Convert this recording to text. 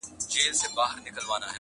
همېشه به بېرېدى له جنرالانو!.